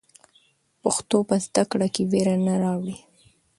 پښتو په زده کړه کې وېره نه راولي.